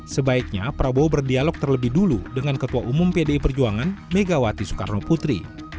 sebaiknya prabowo berdialog terlebih dulu dengan ketua umum pdi perjuangan megawati soekarno putri